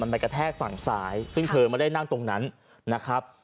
ไปกระแทกฝั่งซ้ายซึ่งเธอไม่ได้นั่งตรงนั้นนะครับ